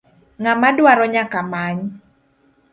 Ng'ama dwaro nyaka many.